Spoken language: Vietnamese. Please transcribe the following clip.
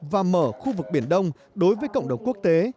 và mở khu vực biển đông đối với cộng đồng quốc tế